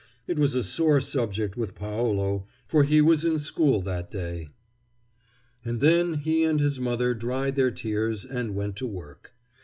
It was a sore subject with Paolo, for he was in school that day. And then he and his mother dried their tears and went to work.